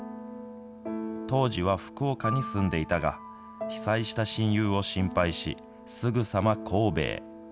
当時は福岡に住んでいたが、被災した親友を心配し、すぐさま神戸へ。